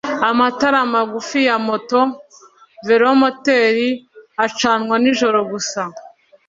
Amatara magufi ya moto velomoteri acanwa nijoro gusa